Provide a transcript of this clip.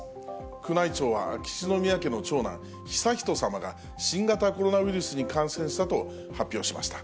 宮内庁は、秋篠宮家の長男、悠仁さまが新型コロナウイルスに感染したと発表しました。